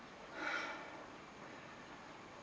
tapi begitu aku kembali kemari